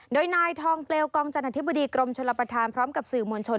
โดยนายทองเปลวกองจันอธิบดีกรมชลประธานพร้อมกับสื่อมวลชน